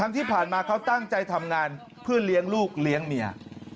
ที่ผ่านมาเขาตั้งใจทำงานเพื่อเลี้ยงลูกเลี้ยงเมีย